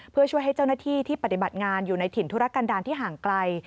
เพื่อช่วยให้เจ้าหน้าที่ที่ปฏิบัติงานอยู่ในถิ่นธุรกันดาลที่ห่างไกล